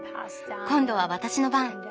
今度は私の番。